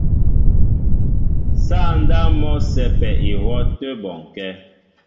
Sááŋ ndáp mɔ́ a sɛ́pɛ ihwɔ́ a tə́ bɔnkɛ́.